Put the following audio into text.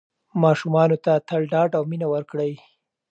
ماشومانو ته تل ډاډ او مینه ورکړئ.